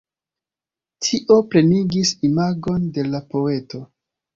Tio plenigis imagon de la poeto.